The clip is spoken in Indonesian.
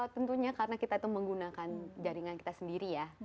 tentunya karena kita itu menggunakan jaringan kita sendiri ya